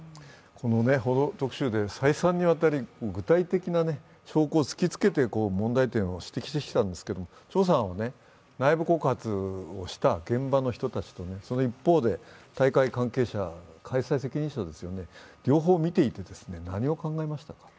「報道特集」では再三にわたり、具体的な証拠を突きつけて問題点を指摘してきたんですけど、チョウさんは内部告発をした現場の人たちと、その一方で、大会関係者、大会責任者、両方見ていて何を考えましたか？